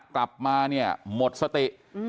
กลับมาหมดสติ